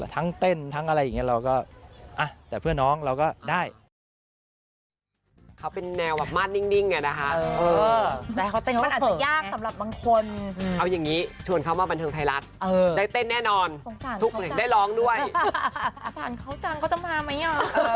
แต่แต่เพื่อนน้องเราก็ได้